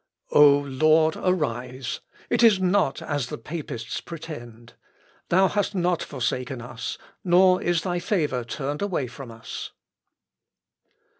"O Lord, arise! it is not as the papists pretend. Thou hast not forsaken us, nor is thy favour turned away from us."